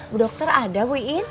bu dokter ada bu iin